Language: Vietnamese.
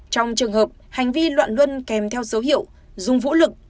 trong trường hợp hành vi loạn luân kèm theo dấu hiệu dùng vũ lực